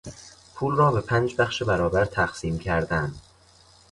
پول را به پنج بخش برابر تقسیم کردن